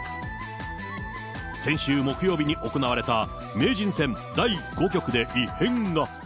先週木曜日に行われた名人戦第５局で異変が。